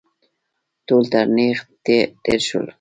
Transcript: ټول تر تېغ تېر شول.